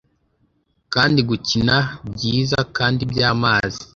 Kandi gukina, byiza kandi byamazi